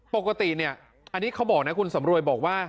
ปกติเนี่ยอันนี้เขาบอกนะคุณสำรวยบอกว่า